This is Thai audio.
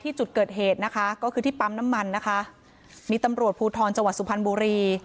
จุดเกิดเหตุนะคะก็คือที่ปั๊มน้ำมันนะคะมีตำรวจภูทรจังหวัดสุพรรณบุรี